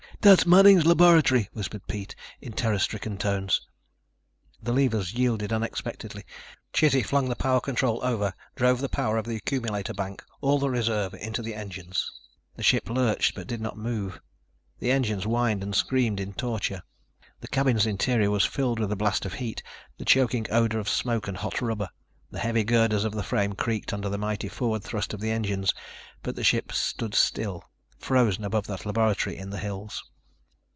"That's Manning's laboratory," whispered Pete in terror stricken tones. The levers yielded unexpectedly. Chizzy flung the power control over, drove the power of the accumulator bank, all the reserve, into the engines. The ship lurched, but did not move. The engines whined and screamed in torture. The cabin's interior was filled with a blast of heat, the choking odor of smoke and hot rubber. The heavy girders of the frame creaked under the mighty forward thrust of the engines ... but the ship stood still, frozen above that laboratory in the hills.